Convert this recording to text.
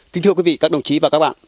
kính thưa quý vị các đồng chí và các bạn